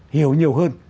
hiểu nhiều hơn